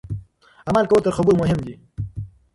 عمل کول تر خبرو مهم دي.